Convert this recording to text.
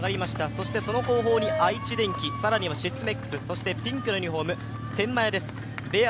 そしてその後方に愛知電機、更にはシスメックス、そしてピンクのユニフォーム、天満屋です。